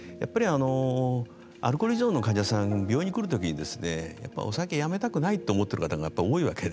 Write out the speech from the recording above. アルコール依存の患者さん病院に来るときにお酒をやめたくないと思っている方が多いわけで。